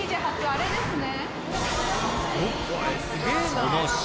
あれですね。